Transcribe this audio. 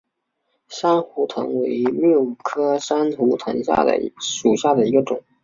珊瑚藤为蓼科珊瑚藤属下的一个种。